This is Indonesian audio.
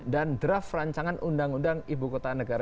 dan draft rancangan undang undang ibu kota negara